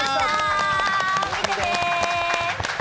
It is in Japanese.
見てね！